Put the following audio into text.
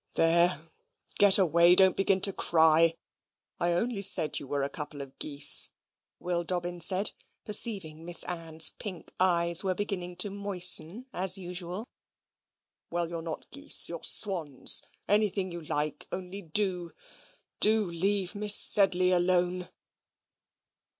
There, get away don't begin to cry. I only said you were a couple of geese," Will Dobbin said, perceiving Miss Ann's pink eyes were beginning to moisten as usual. "Well, you're not geese, you're swans anything you like, only do, do leave Miss Sedley alone."